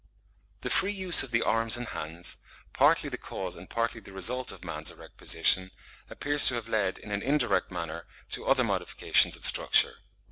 The free use of the arms and hands, partly the cause and partly the result of man's erect position, appears to have led in an indirect manner to other modifications of structure.